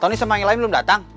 tony sama yang lain belum datang